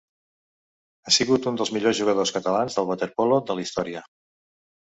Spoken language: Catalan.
Ha sigut un dels millors jugadors catalans de waterpolo de la història.